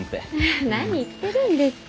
何言ってるんですか？